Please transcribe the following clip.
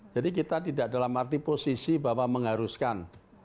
jadi kita tidak dalam arti posisi bahwa mengharuskan